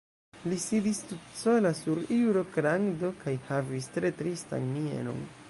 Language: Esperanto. Li sidis tutsola sur iu rokrando, kaj havis tre tristan mienon.